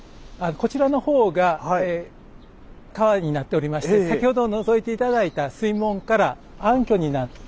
こちらの方が川になっておりまして先ほどのぞいて頂いた水門から暗渠になって。